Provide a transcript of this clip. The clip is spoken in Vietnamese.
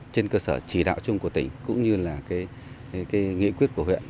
trên cơ sở chỉ đạo chung của tỉnh cũng như là nghị quyết của huyện